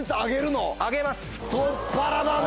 太っ腹だね！